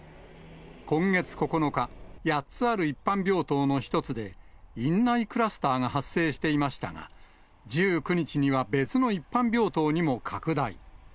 今月９日、８つある一般病棟の１つで、院内クラスターが発生していましたが、１９日には別の一般病棟にも拡大。